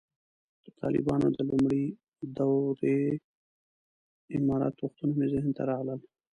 د طالبانو د لومړۍ دورې امارت وختونه مې ذهن ته راغلل.